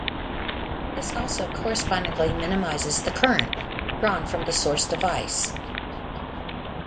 This also correspondingly minimizes the current drawn from the source device.